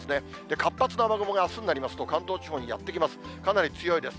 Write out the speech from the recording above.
活発な雨雲があすになりますと、関東地方にやって来ます。